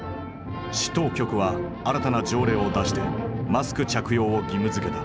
市当局は新たな条例を出してマスク着用を義務付けた。